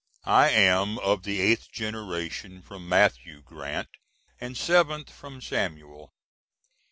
I am of the eighth generation from Mathew Grant, and seventh from Samuel.